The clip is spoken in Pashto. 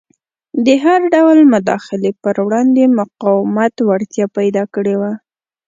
د هر ډول مداخلې پر وړاندې مقاومت وړتیا پیدا کړې وه.